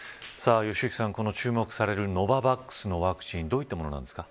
良幸さん、注目されるノババックスのワクチンどういったものですか。